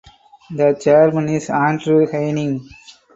The chairman is Andrew Haining.